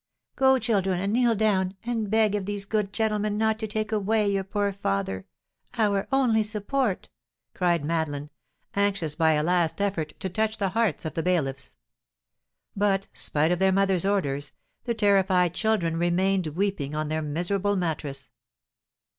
"Go, children, and kneel down, and beg of these good gentlemen not to take away your poor father, our only support," said Madeleine, anxious by a last effort to touch the hearts of the bailiffs. But, spite of their mother's orders, the terrified children remained weeping on their miserable mattress.